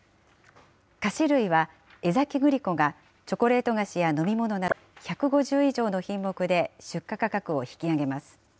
菓子類は江崎グリコがチョコレート菓子や飲み物など、１５０以上の品目で出荷価格を引き上げます。